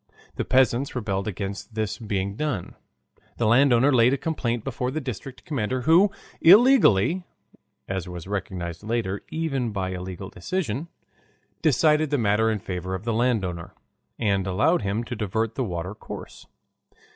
The peasants rebelled against this being done. The land owner laid a complaint before the district commander, who illegally (as was recognized later even by a legal decision) decided the matter in favor of the landowner, and allowed him to divert the water course.